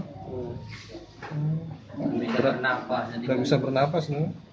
tidak bisa bernafas